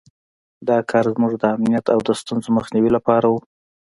دا کار زموږ د امنیت او د ستونزو مخنیوي لپاره وو.